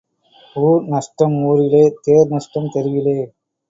ஊர் நஷ்டம் ஊரிலே தேர் நஷ்டம் தெருவிலே.